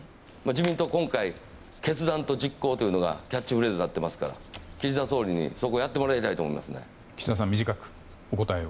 自民党は今回決断と実行がキャッチフレーズになっていますから、岸田さんにそこをやってもらいたいと思いますね。